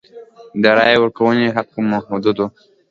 د رایې ورکونې حق محدود و.